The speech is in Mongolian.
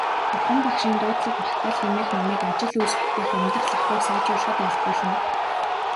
Бурхан Багшийн дуудлага магтаал хэмээх номыг ажил үйлс бүтээх, амьдрал ахуйг сайжруулахад айлтгуулна.